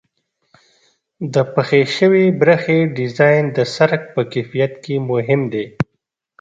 د پخې شوې برخې ډیزاین د سرک په کیفیت کې مهم دی